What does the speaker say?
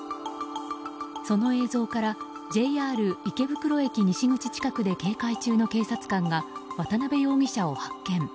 その映像からＪＲ池袋駅西口近くで警戒中の警察官が渡辺容疑者を発見。